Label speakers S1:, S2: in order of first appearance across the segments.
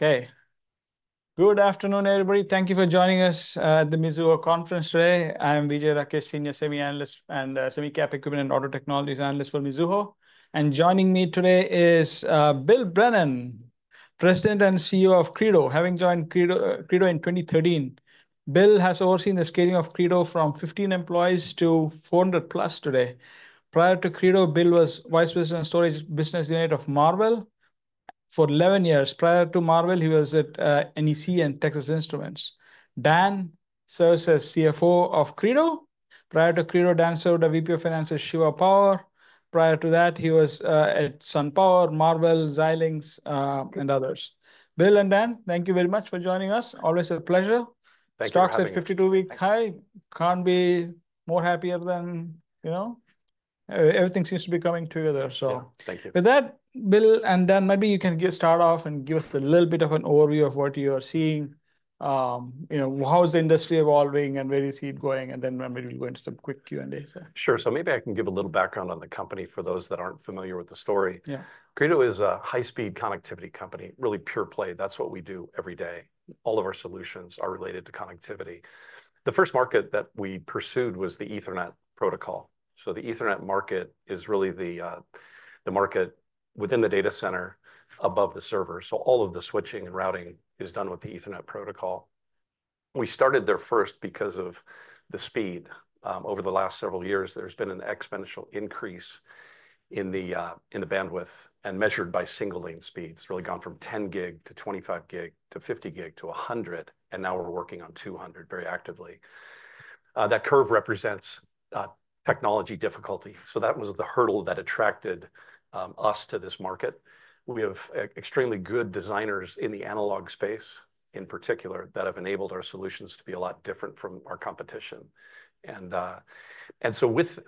S1: Okay. Good afternoon, everybody. Thank you for joining us at the Mizuho Conference today. I'm Vijay Rakesh, senior semi analyst and semi cap equipment and auto technologies analyst for Mizuho. Joining me today is Bill Brennan, President and CEO of Credo. Having joined Credo in 2013, Bill has overseen the scaling of Credo from 15 employees to 400+ today. Prior to Credo, Bill was Vice President of Storage Business Unit of Marvell for 11 years. Prior to Marvell, he was at NEC and Texas Instruments. Dan serves as CFO of Credo. Prior to Credo, Dan served as VP of Finance at Siva Power. Prior to that, he was at SunPower, Marvell, Xilinx, and others. Bill and Dan, thank you very much for joining us. Always a pleasure.
S2: Thank you for having us.
S1: Stocks at 52-week high, can't be more happier than, you know, everything seems to be coming together, so-
S2: Yeah. Thank you.
S1: With that, Bill and Dan, maybe you can get started off and give us a little bit of an overview of what you are seeing. You know, how is the industry evolving, and where do you see it going? And then maybe we'll go into some quick Q&A, sir.
S2: Sure. So maybe I can give a little background on the company for those that aren't familiar with the story.
S1: Yeah.
S2: Credo is a high-speed connectivity company, really pure play. That's what we do every day. All of our solutions are related to connectivity. The first market that we pursued was the Ethernet protocol. So the Ethernet market is really the market within the data center above the server. So all of the switching and routing is done with the Ethernet protocol. We started there first because of the speed. Over the last several years, there's been an exponential increase in the bandwidth, and measured by single lane speeds. It's really gone from 10 gig to 25 gig, to 50 gig, to 100, and now we're working on 200 very actively. That curve represents technology difficulty, so that was the hurdle that attracted us to this market. We have extremely good designers in the analog space, in particular, that have enabled our solutions to be a lot different from our competition. And so with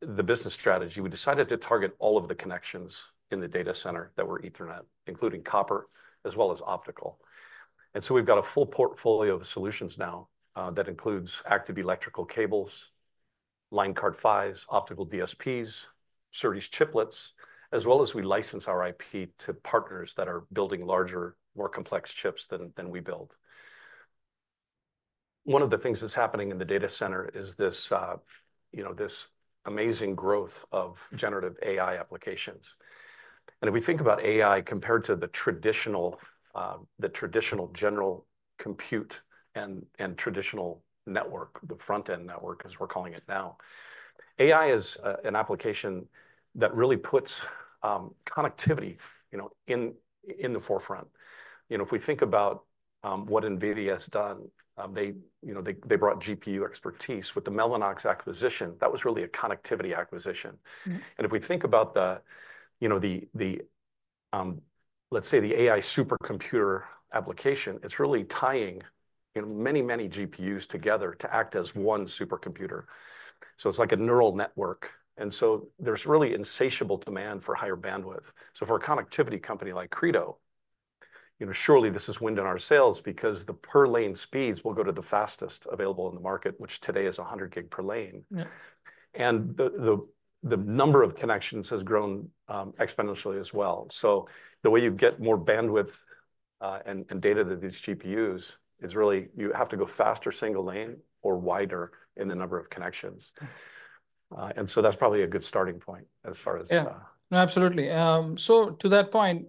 S2: the business strategy, we decided to target all of the connections in the data center that were Ethernet, including copper as well as optical. And so we've got a full portfolio of solutions now that includes active electrical cables, line card PHYs, optical DSPs, SerDes chiplets, as well as we license our IP to partners that are building larger, more complex chips than we build. One of the things that's happening in the data center is this, you know, this amazing growth of generative AI applications. And if we think about AI compared to the traditional, the traditional general compute and, and traditional network, the front-end network, as we're calling it now, AI is a, an application that really puts, connectivity, you know, in, in the forefront. You know, if we think about, what NVIDIA has done, they, you know, they, they brought GPU expertise. With the Mellanox acquisition, that was really a connectivity acquisition.
S1: Mm-hmm.
S2: And if we think about, you know, the AI supercomputer application, it's really tying, you know, many, many GPUs together to act as one supercomputer. So it's like a neural network, and so there's really insatiable demand for higher bandwidth. So for a connectivity company like Credo, you know, surely this is wind in our sails because the per lane speeds will go to the fastest available in the market, which today is 100 gig per lane.
S1: Yeah.
S2: And the number of connections has grown exponentially as well. So the way you get more bandwidth and data to these GPUs is really you have to go faster single lane or wider in the number of connections. And so that's probably a good starting point as far as-
S1: Yeah. No, absolutely. So to that point,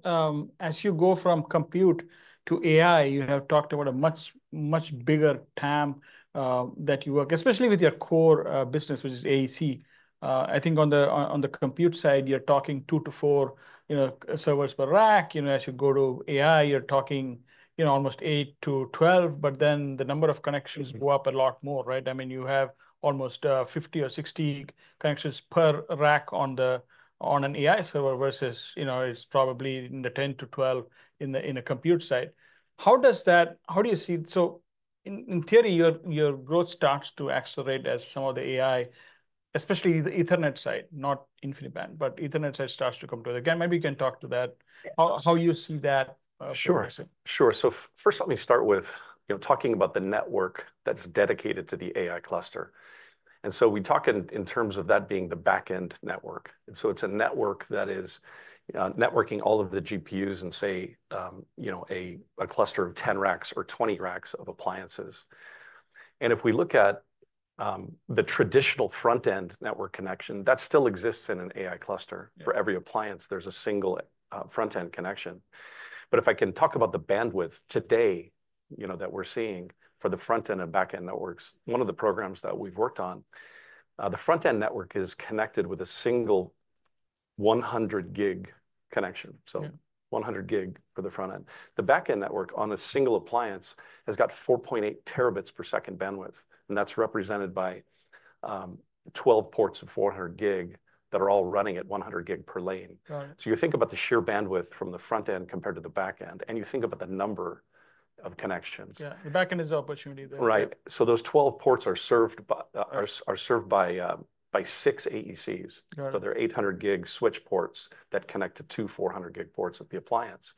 S1: as you go from compute to AI, you have talked about a much, much bigger TAM, that you work, especially with your core business, which is AEC. I think on the compute side, you're talking 2-4, you know, servers per rack. You know, as you go to AI, you're talking, you know, almost 8-12, but then the number of connections-
S2: Mm-hmm...
S1: go up a lot more, right? I mean, you have almost 50 or 60 connections per rack on an AI server versus, you know, it's probably in the 10-12 in the, in the compute side. How does that? How do you see? So in, in theory, your, your growth starts to accelerate as some of the AI, especially the Ethernet side, not InfiniBand, but Ethernet side starts to come to it. Again, maybe you can talk to that-
S2: Yeah...
S1: how, how you see that progressing.
S2: Sure, sure. So first, let me start with, you know, talking about the network that's dedicated to the AI cluster, and so we talk in terms of that being the back-end network. And so it's a network that is networking all of the GPUs in, say, you know, a cluster of 10 racks or 20 racks of appliances. And if we look at the traditional front-end network connection, that still exists in an AI cluster.
S1: Yeah.
S2: For every appliance, there's a single, front-end connection. But if I can talk about the bandwidth today, you know, that we're seeing for the front-end and back-end networks, one of the programs that we've worked on, the front-end network is connected with a single 100 gig connection.
S1: Yeah.
S2: So 100 gig for the front end. The back-end network on a single appliance has got 4.8 Tbps bandwidth, and that's represented by 12 ports of 400 gig that are all running at 100 gig per lane.
S1: Got it.
S2: So you think about the sheer bandwidth from the front end compared to the back end, and you think about the number of connections.
S1: Yeah, the back end is opportunity there.
S2: Right. So those 12 ports are served by 6 AECs.
S1: Got it.
S2: So they're 800 gig switch ports that connect to two 400 gig ports of the appliance.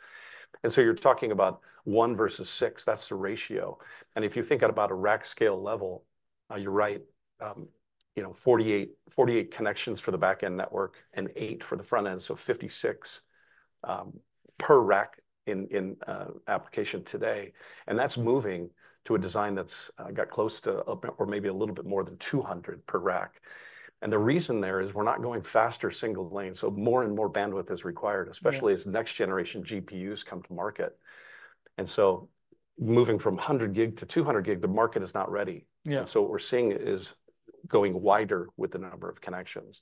S2: And so you're talking about 1 versus 6, that's the ratio. And if you think at about a rack scale level, you're right, you know, 48, 48 connections for the back-end network and 8 for the front end, so 56 per rack in application today. And that's moving to a design that's got close to about or maybe a little bit more than 200 per rack. And the reason there is we're not going faster single lane, so more and more bandwidth is required-
S1: Yeah
S2: especially as next-generation GPUs come to market. And so moving from 100 gig to 200 gig, the market is not ready.
S1: Yeah.
S2: And so what we're seeing is going wider with the number of connections.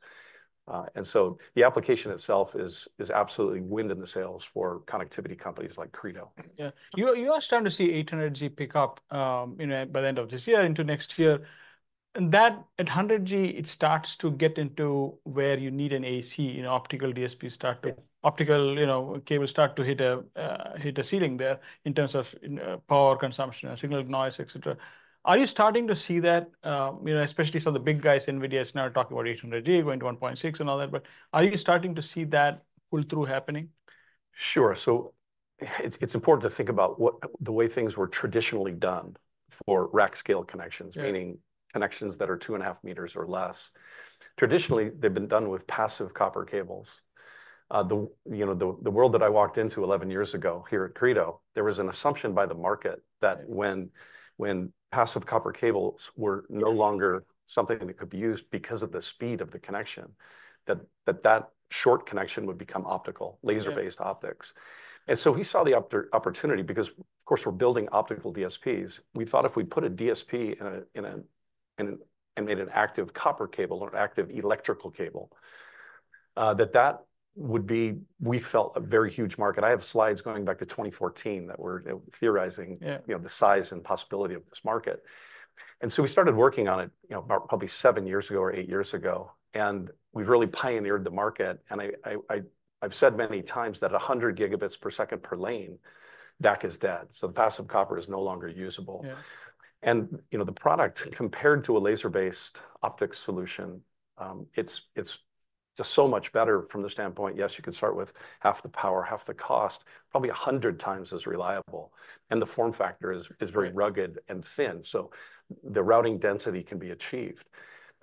S2: And so the application itself is absolutely wind in the sails for connectivity companies like Credo.
S1: Yeah. You are starting to see 800 G pick up, you know, by the end of this year into next year. And that, at 100 G, it starts to get into where you need an AEC, you know, optical DSP start to-
S2: Yeah...
S1: optical, you know, cables start to hit a ceiling there in terms of power consumption and signal noise, et cetera. Are you starting to see that, you know, especially some of the big guys, NVIDIA, is now talking about 800 G going to 1.6 and all that, but are you starting to see that pull-through happening?
S2: Sure. So it's, it's important to think about what, the way things were traditionally done for rack scale connections-
S1: Yeah...
S2: meaning connections that are 2.5 meters or less. Traditionally, they've been done with passive copper cables. You know, the world that I walked into 11 years ago here at Credo, there was an assumption by the market that when passive copper cables were no longer something that could be used because of the speed of the connection, that short connection would become optical-
S1: Yeah...
S2: laser-based optics. And so we saw the opportunity because, of course, we're building optical DSPs. We thought if we put a DSP in a and made an active copper cable or an active electrical cable, that would be, we felt, a very huge market. I have slides going back to 2014 that we're theorizing-
S1: Yeah...
S2: you know, the size and possibility of this market. And so we started working on it, you know, about probably seven years ago or eight years ago, and we've really pioneered the market. And I’ve said many times that 100 gigabits per second per lane, DAC is dead, so the passive copper is no longer usable.
S1: Yeah.
S2: You know, the product, compared to a laser-based optics solution, it's just so much better from the standpoint... Yes, you can start with half the power, half the cost, probably 100 times as reliable, and the form factor is,
S1: Right...
S2: very rugged and thin, so the routing density can be achieved.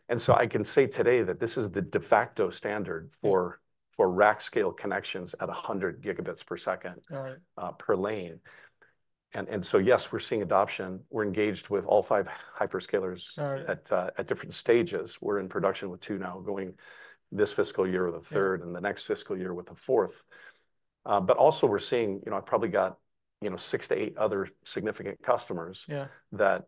S2: And so I can say today that this is the de facto standard for-
S1: Yeah...
S2: for rack scale connections at 100 Gbps-
S1: Right...
S2: per lane. And so, yes, we're seeing adoption. We're engaged with all five hyperscalers-
S1: Right...
S2: at, at different stages. We're in production with two now, going this fiscal year with a third-
S1: Yeah...
S2: and the next fiscal year with the fourth. But also we're seeing, you know, I've probably got, you know, 6 to 8 other significant customers-
S1: Yeah...
S2: that,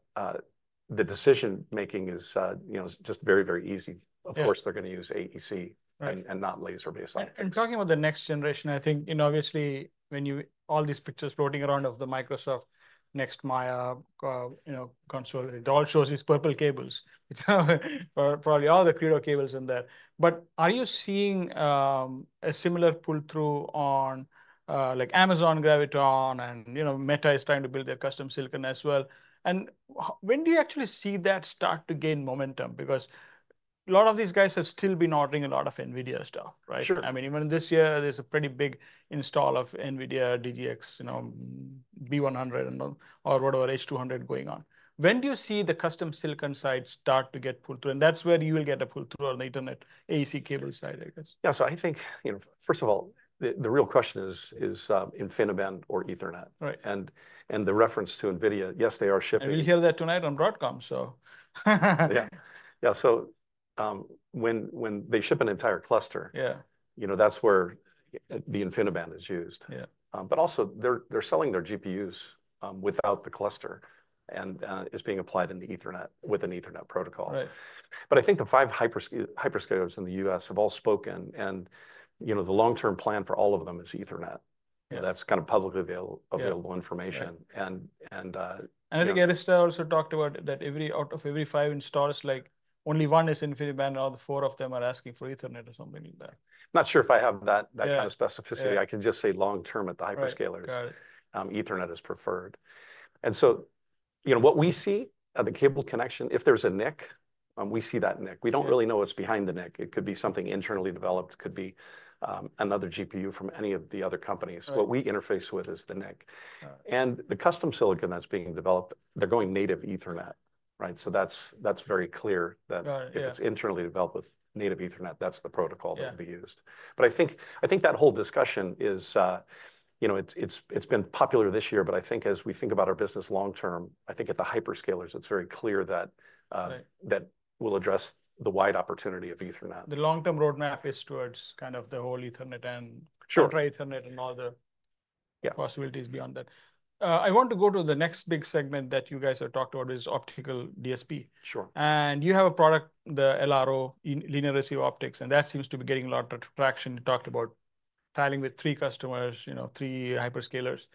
S2: the decision-making is, you know, just very, very easy.
S1: Yeah.
S2: Of course, they're going to use AEC-
S1: Right...
S2: and not laser-based optics.
S1: And talking about the next generation, I think, you know, obviously, when all these pictures floating around of the Microsoft next Maia, you know, console, it all shows these purple cables. So probably all the Credo cables in there. But are you seeing a similar pull-through on, like Amazon Graviton and, you know, Meta is trying to build their custom silicon as well? And when do you actually see that start to gain momentum? Because a lot of these guys have still been ordering a lot of NVIDIA stuff, right?
S2: Sure.
S1: I mean, even this year, there's a pretty big install of NVIDIA DGX, you know, B100 and all, or whatever, H200 going on. When do you see the custom silicon side start to get pull-through? And that's where you will get a pull-through on the Ethernet AEC cable side, I guess.
S2: Yeah. So I think, you know, first of all, the real question is InfiniBand or Ethernet?
S1: Right.
S2: And the reference to NVIDIA, yes, they are shipping-
S1: We'll hear that tonight on Broadcom, so.
S2: Yeah. Yeah, so, when they ship an entire cluster-
S1: Yeah...
S2: you know, that's where the InfiniBand is used.
S1: Yeah.
S2: But also, they're selling their GPUs without the cluster, and it's being applied in the Ethernet with an Ethernet protocol.
S1: Right.
S2: I think the five hyperscalers in the U.S. have all spoken and, you know, the long-term plan for all of them is Ethernet.
S1: Yeah.
S2: That's kind of publicly available information.
S1: Yeah.
S2: And, you know-
S1: I think Arista also talked about that every, out of every 5 installs, like, only 1 is InfiniBand, all the 4 of them are asking for Ethernet or something like that.
S2: Not sure if I have that-
S1: Yeah...
S2: that kind of specificity.
S1: Yeah.
S2: I can just say long-term, at the hyperscalers-
S1: Right. Got it....
S2: Ethernet is preferred. And so, you know, what we see at the cable connection, if there's a NIC, we see that NIC.
S1: Yeah.
S2: We don't really know what's behind the NIC. It could be something internally developed, could be, another GPU from any of the other companies.
S1: Right.
S2: What we interface with is the NIC.
S1: Yeah.
S2: The custom silicon that's being developed, they're going native Ethernet, right? So that's very clear that-
S1: Right. Yeah...
S2: if it's internally developed with native Ethernet, that's the protocol that-
S1: Yeah...
S2: will be used. But I think, I think that whole discussion is, you know, it's been popular this year, but I think as we think about our business long term, I think at the hyperscalers, it's very clear that,
S1: Right...
S2: that we'll address the wide opportunity of Ethernet.
S1: The long-term roadmap is towards kind of the whole Ethernet and.
S2: Sure...
S1: Ethernet and all the-
S2: Yeah...
S1: possibilities beyond that. I want to go to the next big segment that you guys have talked about is optical DSP.
S2: Sure.
S1: You have a product, the LRO in Linear Receive Optics, and that seems to be getting a lot of traction. You talked about trials with three customers, you know, three hyperscalers.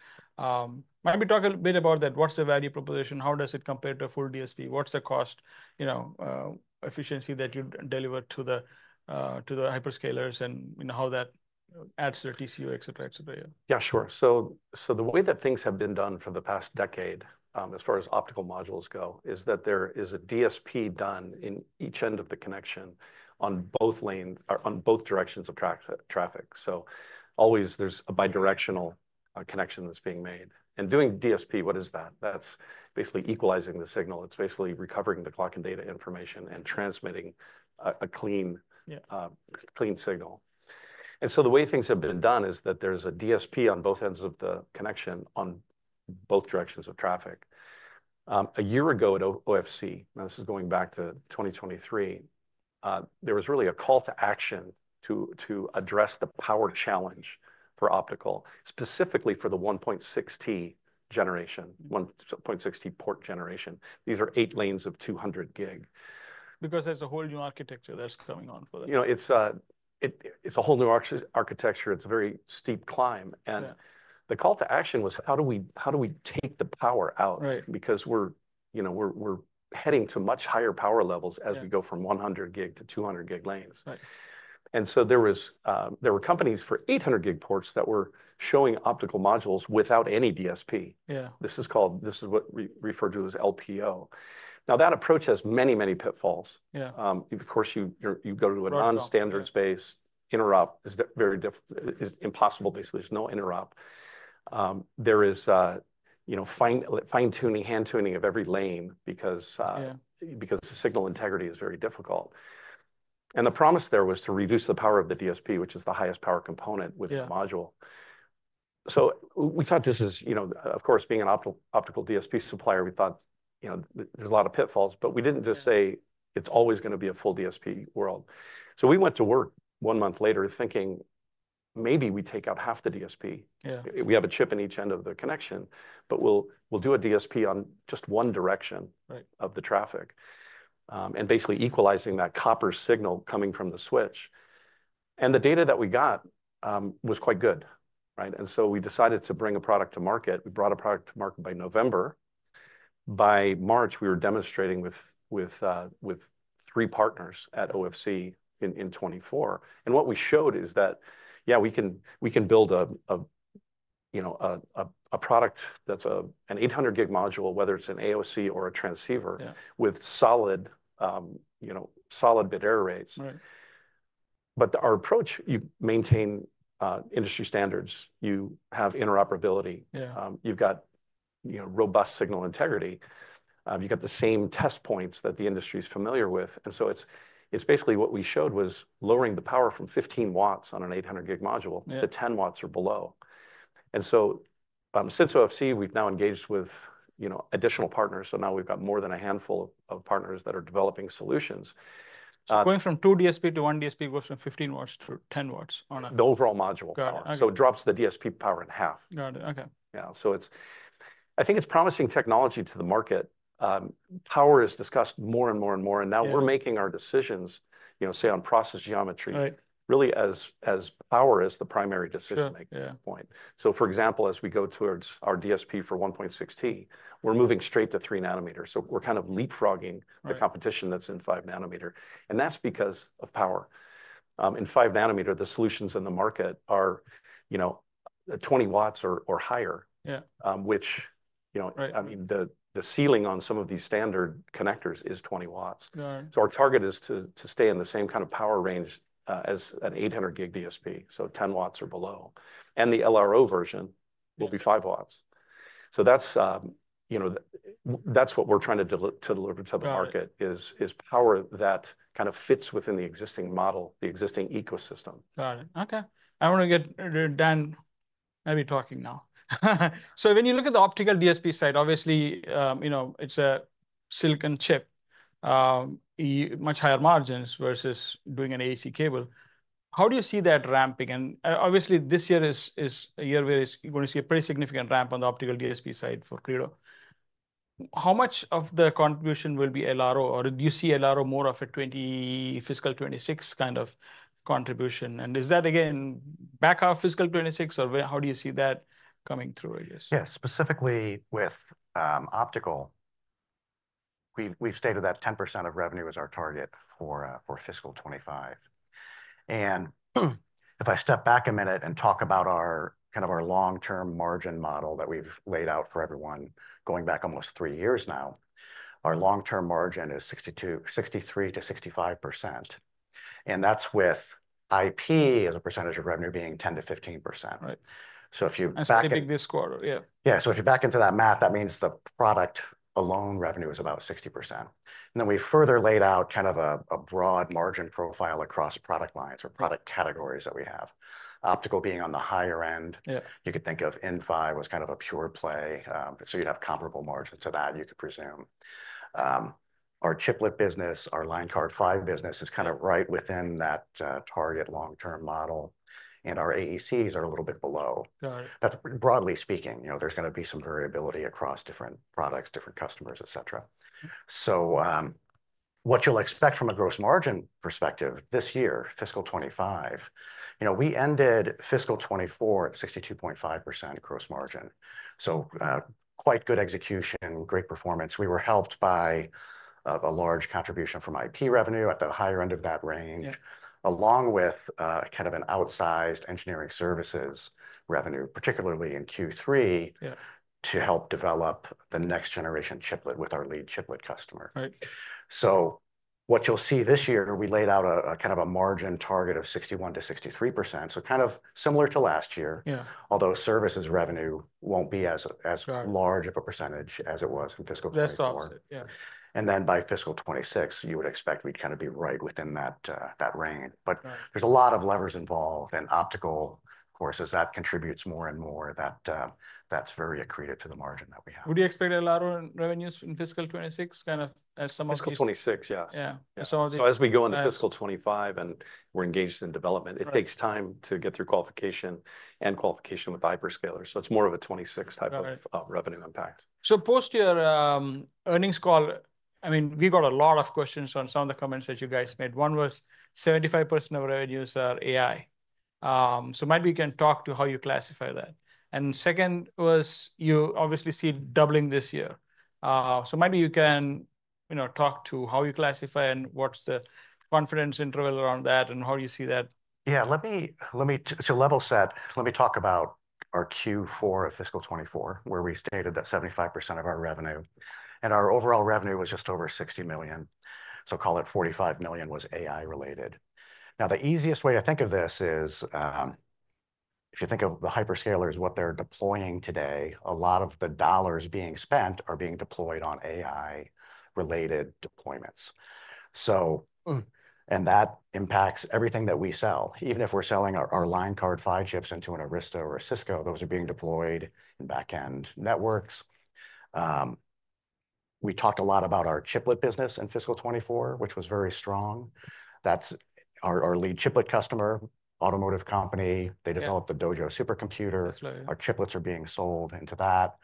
S1: Maybe talk a little bit about that. What's the value proposition? How does it compare to a full DSP? What's the cost, you know, efficiency that you deliver to the hyperscalers and, you know, how that adds to their TCO, et cetera, et cetera. Yeah.
S2: Yeah, sure. So the way that things have been done for the past decade, as far as optical modules go, is that there is a DSP done in each end of the connection on both lane, or on both directions of traffic. So always there's a bidirectional connection that's being made. And doing DSP, what is that? That's basically equalizing the signal. It's basically recovering the clock and data information and transmitting a clean-
S1: Yeah...
S2: clean signal. So the way things have been done is that there's a DSP on both ends of the connection, on both directions of traffic. A year ago at OFC, now this is going back to 2023, there was really a call to action to address the power challenge for optical, specifically for the 1.6T generation, 1.6T port generation. These are eight lanes of 200 gig.
S1: Because there's a whole new architecture that's coming on for that.
S2: You know, it's a whole new architecture. It's a very steep climb.
S1: Yeah.
S2: The call to action was, how do we, how do we take the power out?
S1: Right.
S2: Because we're, you know, heading to much higher power levels-
S1: Yeah...
S2: as we go from 100 gig to 200 gig lanes.
S1: Right.
S2: So there were companies for 800 gig ports that were showing optical modules without any DSP.
S1: Yeah.
S2: This is called, this is what we refer to as LPO. Now, that approach has many, many pitfalls.
S1: Yeah.
S2: Of course, you go to a non-standard-
S1: Right...
S2: space interrupt is impossible, basically. There's no interrupt. There is, you know, fine-tuning, hand-tuning of every lane because,
S1: Yeah...
S2: because the signal integrity is very difficult. The promise there was to reduce the power of the DSP, which is the highest power component-
S1: Yeah...
S2: with the module. So we thought this is, you know, of course, being an optical DSP supplier, we thought, you know, there's a lot of pitfalls.
S1: Yeah.
S2: But we didn't just say it's always going to be a full DSP world. So we went to work one month later thinking maybe we take out half the DSP.
S1: Yeah.
S2: We have a chip in each end of the connection, but we'll do a DSP on just one direction-
S1: Right...
S2: of the traffic, and basically equalising that copper signal coming from the switch. And the data that we got was quite good, right? And so we decided to bring a product to market. We brought a product to market by November. By March, we were demonstrating with, with, with three partners at OFC in 2024. And what we showed is that, yeah, we can, we can build a, a, you know, a, a, a product that's a, an 800 gig module, whether it's an AOC or a transceiver-
S1: Yeah...
S2: with solid, you know, solid bit error rates.
S1: Right.
S2: But our approach, you maintain industry standards, you have interoperability.
S1: Yeah.
S2: You've got, you know, robust signal integrity. You've got the same test points that the industry is familiar with. And so it's basically what we showed was lowering the power from 15 watts on an 800 gig module-
S1: Yeah...
S2: to 10 watts or below. So, since OFC, we've now engaged with, you know, additional partners, so now we've got more than a handful of partners that are developing solutions.
S1: So going from 2 DSP to 1 DSP goes from 15 watts to 10 watts on a-
S2: The overall module power.
S1: Got it. Okay.
S2: So it drops the DSP power in half.
S1: Got it. Okay.
S2: Yeah. So it's I think it's promising technology to the market. Power is discussed more and more and more-
S1: Yeah...
S2: and now we're making our decisions, you know, say, on process geometry-
S1: Right...
S2: really as power is the primary decision-making point.
S1: Sure. Yeah.
S2: So, for example, as we go towards our DSP for 1.6 T, we're moving straight to 3 nanometers, so we're kind of leapfrogging-
S1: Right...
S2: the competition that's in 5 nanometer, and that's because of power. In 5 nanometer, the solutions in the market are, you know, 20 watts or higher.
S1: Yeah.
S2: which, you know-
S1: Right...
S2: I mean, the ceiling on some of these standard connectors is 20 watts.
S1: Got it.
S2: Our target is to stay in the same kind of power range as an 800 gig DSP, so 10 watts or below. And the LRO version-
S1: Yeah...
S2: will be 5 watts. So that's, you know, that's what we're trying to deliver to the market-
S1: Got it...
S2: is power that kind of fits within the existing model, the existing ecosystem.
S1: Got it. Okay. I want to get Dan maybe talking now. So when you look at the optical DSP side, obviously, you know, it's a silicon chip, much higher margins versus doing an AEC cable. How do you see that ramping? And, obviously, this year is a year where you're going to see a pretty significant ramp on the optical DSP side for Credo. How much of the contribution will be LRO, or do you see LRO more of a fiscal 2026 kind of contribution? And is that, again, back half fiscal 2026, or where how do you see that coming through, I guess?
S3: Yeah. Specifically with optical, we've stated that 10% of revenue is our target for fiscal 2025. If I step back a minute and talk about our kind of long-term margin model that we've laid out for everyone going back almost three years now, our long-term margin is 62, 63-65%, and that's with IP as a percentage of revenue being 10%-15%.
S1: Right.
S3: So if you back it-
S1: That's pretty big this quarter. Yeah.
S3: Yeah. So if you back into that math, that means the product alone revenue is about 60%. And then we further laid out kind of a broad margin profile across product lines or product categories that we have. Optical being on the higher end-
S1: Yeah...
S3: you could think of Inphi was kind of a pure play, so you'd have comparable margins to that, you could presume. Our chiplet business, our Line Card PHY business, is kind of right within that, target long-term model, and our AECs are a little bit below.
S1: Got it.
S3: That's broadly speaking, you know, there's going to be some variability across different products, different customers, et cetera. So, what you'll expect from a gross margin perspective this year, fiscal 25, you know, we ended fiscal 24 at 62.5% gross margin. So, quite good execution, great performance. We were helped by a large contribution from IP revenue at the higher end of that range-
S1: Yeah.
S3: - along with, kind of an outsized engineering services revenue, particularly in Q3-
S1: Yeah...
S3: to help develop the next generation chiplet with our lead chiplet customer.
S1: Right.
S3: So what you'll see this year, we laid out a kind of margin target of 61%-63%, so kind of similar to last year.
S1: Yeah.
S3: Although services revenue won't be as,
S1: Got it...
S3: large of a percentage as it was in fiscal 2024.
S1: Less offset, yeah.
S3: Then by fiscal 2026, you would expect we'd kind of be right within that range.
S1: Right.
S3: There's a lot of levers involved, and optical, of course, as that contributes more and more, that that's very accretive to the margin that we have.
S1: Would you expect a lot of revenues in fiscal 2026, kind of as some of these-
S3: Fiscal 2026, yes.
S1: Yeah. Yeah, so-
S3: So as we go into fiscal 2025 and we're engaged in development-
S1: Right...
S3: it takes time to get through qualification and qualification with hyperscalers, so it's more of a 2026 type of-
S1: Got it...
S3: revenue impact.
S1: So, post your earnings call, I mean, we got a lot of questions on some of the comments that you guys made. One was 75% of revenues are AI. So maybe you can talk to how you classify that. And second was you obviously see doubling this year. So maybe you can, you know, talk to how you classify and what's the confidence interval around that, and how you see that.
S3: Yeah, let me level set, let me talk about our Q4 of fiscal 2024, where we stated that 75% of our revenue, and our overall revenue was just over $60 million, so call it $45 million, was AI related. Now, the easiest way to think of this is, if you think of the hyperscalers, what they're deploying today, a lot of the dollars being spent are being deployed on AI-related deployments. So, and that impacts everything that we sell, even if we're selling our line card PHY chips into an Arista or a Cisco, those are being deployed in backend networks. We talked a lot about our chiplet business in fiscal 2024, which was very strong. That's our lead chiplet customer, automotive company-
S1: Yeah...
S3: they developed the Dojo supercomputer.
S1: That's right.
S3: Our chiplets are being sold into that.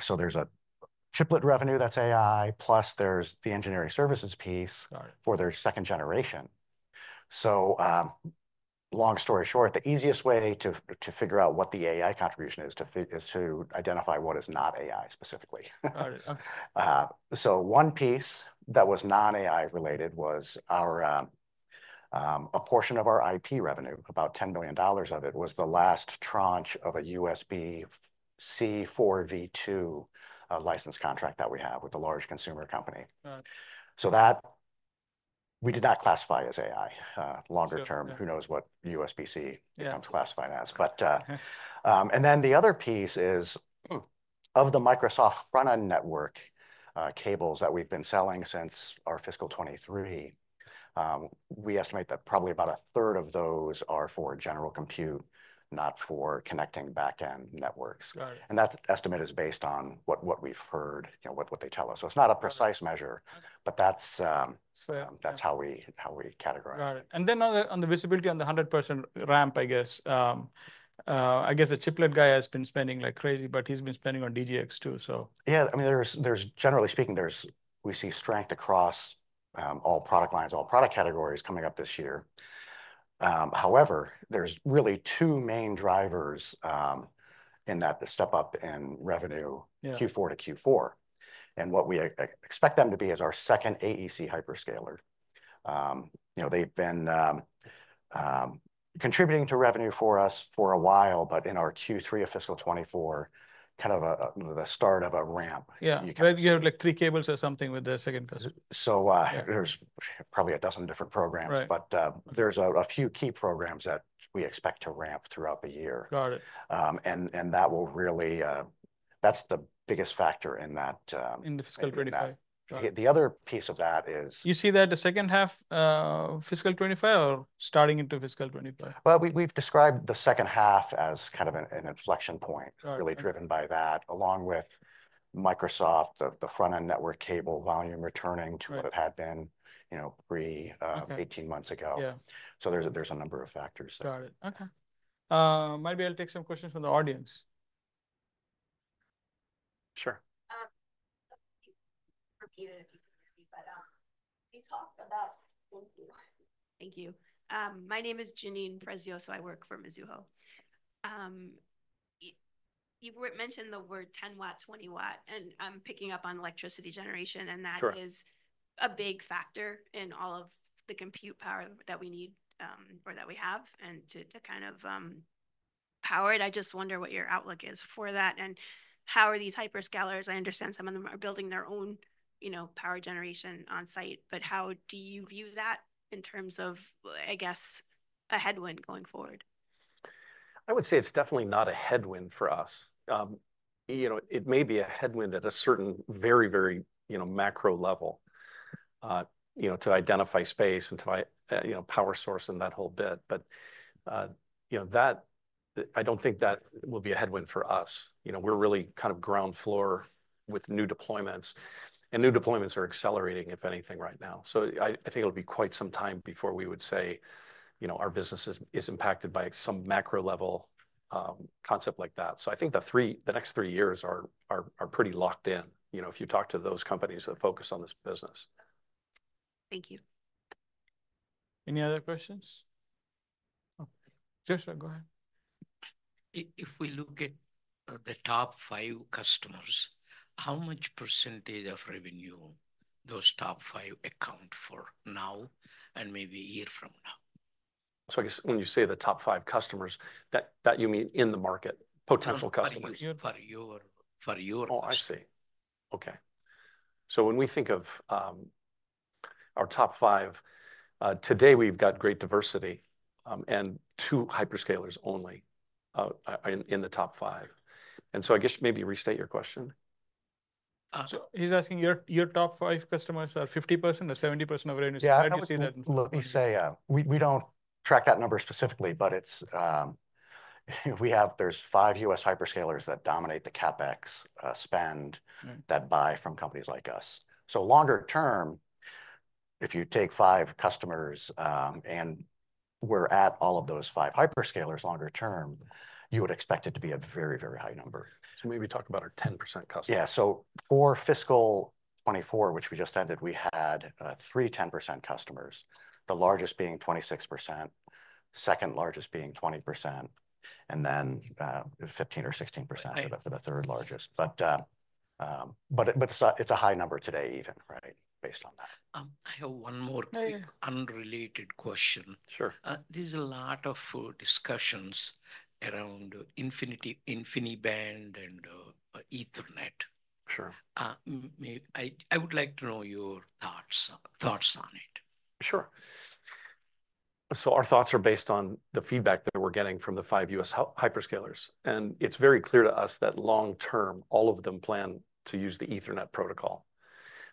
S3: So there's a chiplet revenue that's AI, plus there's the engineering services piece-
S1: Got it...
S3: for their second generation. So, long story short, the easiest way to figure out what the AI contribution is, is to identify what is not AI specifically.
S1: Got it. Okay.
S3: One piece that was non-AI related was our, a portion of our IP revenue, about $10 million of it, was the last tranche of a USB-C4V2 license contract that we have with a large consumer company.
S1: Got it.
S3: So that we did not classify as AI. Longer term-
S1: Sure, yeah...
S3: who knows what USB-C-
S1: Yeah...
S3: comes classifying as. But and then the other piece is of the Microsoft front-end network cables that we've been selling since our fiscal 2023, we estimate that probably about a third of those are for general compute, not for connecting back-end networks.
S1: Got it.
S3: That estimate is based on what we've heard, you know, what they tell us. So it's not a precise measure-
S1: Got it...
S3: but that's,
S1: Fair, yeah...
S3: that's how we categorize it.
S1: Got it. And then on the visibility on the 100% ramp, I guess, the chiplet guy has been spending like crazy, but he's been spending on DGX too, so.
S3: Yeah. I mean, generally speaking, we see strength across all product lines, all product categories coming up this year. However, there's really two main drivers in that step up in revenue-
S1: Yeah...
S3: Q4 to Q4, and what we expect them to be is our second AEC hyperscaler. You know, they've been contributing to revenue for us for a while, but in our Q3 of fiscal 2024, kind of the start of a ramp.
S1: Yeah.
S3: You can-
S1: Where you have, like, 3 cables or something with the second customer?
S3: So, uh-
S1: Yeah...
S3: there's probably 12 different programs.
S1: Right.
S3: But, there's a few key programs that we expect to ramp throughout the year.
S1: Got it.
S3: And that will really. That's the biggest factor in that.
S1: In the fiscal 2025...
S3: in that.
S1: Got it.
S3: The other piece of that is-
S1: You see that the H2, fiscal 2025 or starting into fiscal 2025?
S3: Well, we've described the H2 as kind of an inflection point-
S1: Got it...
S3: really driven by that, along with Microsoft, the front-end network cable volume returning to-
S1: Right...
S3: what it had been, you know, pre-
S1: Okay...
S3: 18 months ago.
S1: Yeah.
S3: So there's a number of factors.
S1: Got it. Okay. Maybe I'll take some questions from the audience.
S3: Sure.
S4: Repeat it if you can hear me, but you talked about... Thank you. Thank you. My name is Jeanine Prezioso. I work for Mizuho. You mentioned the word 10 watt, 20 watt, and I'm picking up on electricity generation, and that is-
S3: Sure...
S4: a big factor in all of the compute power that we need, or that we have, and to kind of power it. I just wonder what your outlook is for that, and how are these hyperscalers... I understand some of them are building their own, you know, power generation on-site, but how do you view that in terms of, I guess, a headwind going forward?
S3: I would say it's definitely not a headwind for us. You know, it may be a headwind at a certain very, very, you know, macro level, you know, to identify space and you know, power source and that whole bit. But, you know, that, I don't think that will be a headwind for us. You know, we're really kind of ground floor with new deployments, and new deployments are accelerating, if anything, right now. So I think it'll be quite some time before we would say, you know, our business is impacted by some macro-level concept like that. So I think the next three years are pretty locked in, you know, if you talk to those companies that focus on this business.
S4: Thank you.
S1: Any other questions?... Jesha, go ahead.
S5: If we look at the top five customers, how much percentage of revenue those top five account for now and maybe a year from now?
S2: So, I guess when you say the top five customers, that you mean in the market, potential customers?
S5: No, for your, for your customers.
S3: Oh, I see. Okay. So when we think of our top five today we've got great diversity, and two hyperscalers only in the top five. And so I guess maybe restate your question.
S1: So he's asking your top five customers are 50% or 70% of revenue?
S2: Yeah.
S1: How do you see that?
S2: Let me say, we don't track that number specifically, but it's, there's five U.S. hyperscalers that dominate the CapEx spend-
S1: Mm...
S2: that buy from companies like us. So longer term, if you take five customers, and we're at all of those five hyperscalers longer term, you would expect it to be a very, very high number. So maybe talk about our 10% customer. Yeah. So for fiscal 2024, which we just ended, we had three 10% customers, the largest being 26%, second largest being 20%, and then fifteen or sixteen percent. Right... for the, for the third largest. But, but it's a, it's a high number today even, right? Based on that.
S5: I have one more-
S1: Yeah...
S5: quick, unrelated question.
S2: Sure.
S5: There's a lot of discussions around InfiniBand and Ethernet.
S2: Sure.
S5: May I? I would like to know your thoughts on it.
S2: Sure. So our thoughts are based on the feedback that we're getting from the five U.S. hyperscalers. It's very clear to us that long term, all of them plan to use the Ethernet protocol.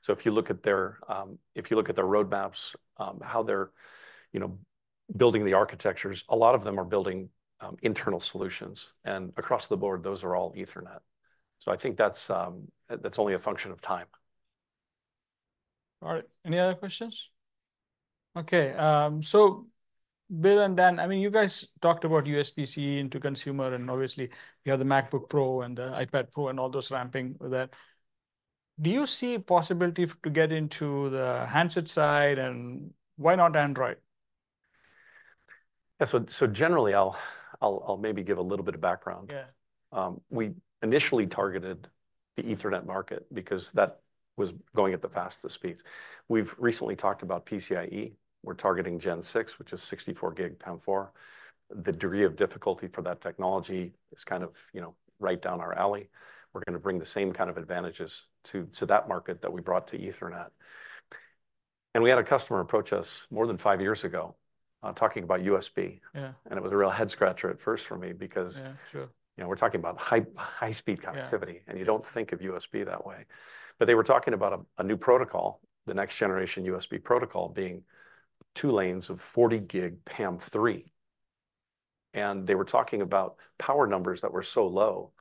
S2: So if you look at their roadmaps, how they're, you know, building the architectures, a lot of them are building internal solutions, and across the board, those are all Ethernet. So I think that's, that's only a function of time.
S1: All right, any other questions? Okay, so Bill and Dan, I mean, you guys talked about USB-C into consumer, and obviously, you have the MacBook Pro and the iPad Pro and all those ramping with that. Do you see a possibility to get into the handset side, and why not Android?
S2: Yeah, so generally I'll maybe give a little bit of background.
S1: Yeah.
S2: We initially targeted the Ethernet market because that was going at the fastest speeds. We've recently talked about PCIe. We're targeting Gen 6, which is 64 gig PAM4. The degree of difficulty for that technology is kind of, you know, right down our alley. We're going to bring the same kind of advantages to that market that we brought to Ethernet. We had a customer approach us more than five years ago, talking about USB.
S1: Yeah.
S2: It was a real head scratcher at first for me because-
S1: Yeah, sure...
S2: you know, we're talking about high, high speed connectivity-
S1: Yeah...
S2: and you don't think of USB that way. But they were talking about a, a new protocol, the next generation USB protocol, being two lanes of 40 gig PAM3. And they were talking about power numbers that were so low,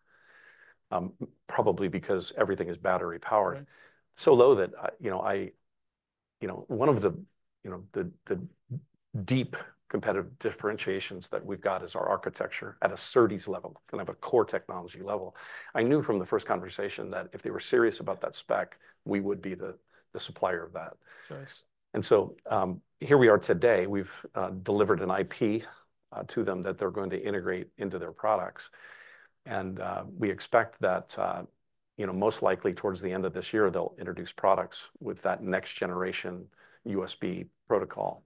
S2: probably because everything is battery powered.
S1: Yeah.
S2: So low that, you know, one of the, you know, the deep competitive differentiations that we've got is our architecture at a SerDes level, kind of a core technology level. I knew from the first conversation that if they were serious about that spec, we would be the supplier of that.
S1: Nice.
S2: Here we are today. We've delivered an IP to them that they're going to integrate into their products, and we expect that, you know, most likely towards the end of this year, they'll introduce products with that next generation USB protocol.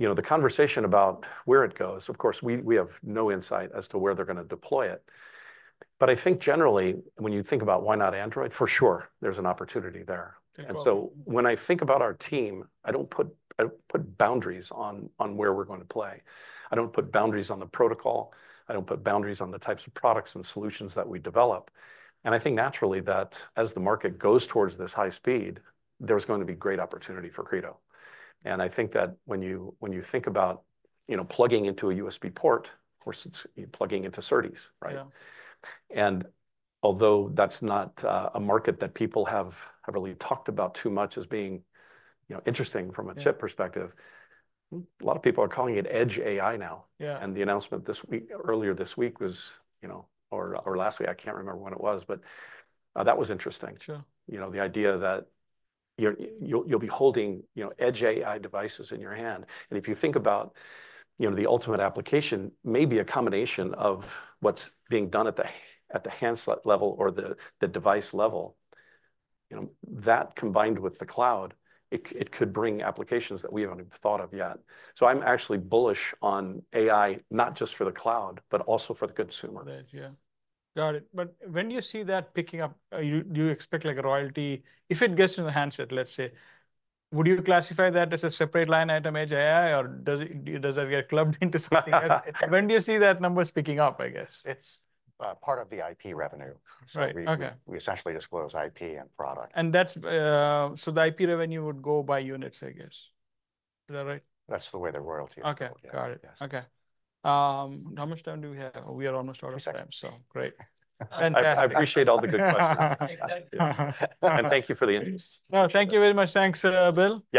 S2: You know, the conversation about where it goes, of course, we have no insight as to where they're gonna deploy it. But I think generally, when you think about why not Android, for sure, there's an opportunity there.
S1: Yeah.
S2: And so when I think about our team, I don't put boundaries on where we're going to play. I don't put boundaries on the protocol. I don't put boundaries on the types of products and solutions that we develop. And I think naturally that as the market goes towards this high speed, there's going to be great opportunity for Credo. And I think that when you think about, you know, plugging into a USB port, of course, it's plugging into SerDes, right?
S1: Yeah.
S2: Although that's not a market that people have really talked about too much as being, you know, interesting from a chip perspective-
S1: Yeah...
S2: a lot of people are calling it edge AI now.
S1: Yeah.
S2: The announcement this week, earlier this week was, you know, or last week, I can't remember when it was, but that was interesting.
S1: Sure.
S2: You know, the idea that you'll be holding, you know, edge AI devices in your hand. And if you think about, you know, the ultimate application, maybe a combination of what's being done at the handset level or the device level, you know, that combined with the cloud, it could bring applications that we haven't even thought of yet. So I'm actually bullish on AI, not just for the cloud, but also for the consumer.
S1: Right. Yeah, got it. But when do you see that picking up? Do you expect like a royalty? If it gets into the handset, let's say, would you classify that as a separate line item, edge AI, or does it, does that get clubbed into something else? When do you see that number picking up, I guess?
S2: It's part of the IP revenue.
S1: Right. Okay.
S2: We essentially disclose IP and product.
S1: And that's. So the IP revenue would go by units, I guess. Is that right?
S2: That's the way the royalty work, yeah.
S1: Okay, got it.
S2: Yes.
S1: Okay. How much time do we have? We are almost out of time.
S2: Second.
S1: Great. Fantastic.
S2: I appreciate all the good questions.
S5: Exactly.
S2: Thank you for the interest.
S1: No, thank you very much. Thanks, Bill.